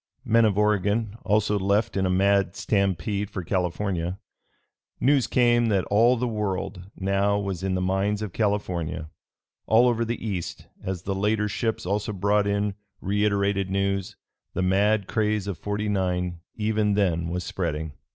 Men of Oregon also left in a mad stampede for California. News came that all the World now was in the mines of California. All over the East, as the later ships also brought in reiterated news, the mad craze of '49 even then was spreading.